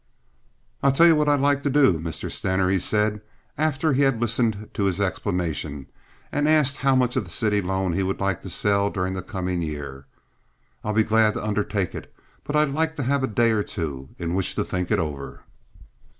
"I tell you what I'd like to do, Mr. Stener," he said, after he had listened to his explanation and asked how much of the city loan he would like to sell during the coming year. "I'll be glad to undertake it. But I'd like to have a day or two in which to think it over."